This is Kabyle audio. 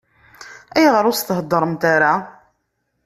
Ayɣer ur s-thedremt ara?